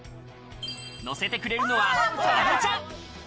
のせてくれるのは、パームちゃん。